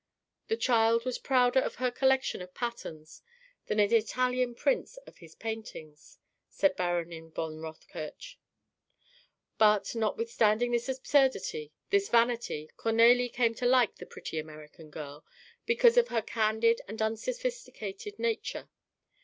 The child was prouder of her collection of patterns than an Italian prince of his paintings, said Baronin von Rothkirch. But, notwithstanding this absurdity, this vanity, Cornélie came to like the pretty American girl because of her candid and unsophisticated nature.